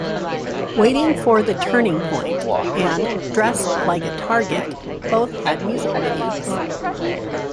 "Waiting for the Turning Point" and "Dress Like a Target" both had music videos.